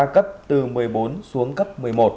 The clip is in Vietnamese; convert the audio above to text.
cấp từ một mươi bốn xuống cấp một mươi một